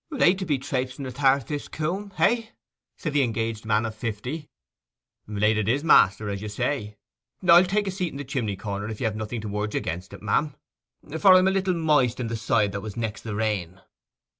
'Late to be traipsing athwart this coomb—hey?' said the engaged man of fifty. 'Late it is, master, as you say.—I'll take a seat in the chimney corner, if you have nothing to urge against it, ma'am; for I am a little moist on the side that was next the rain.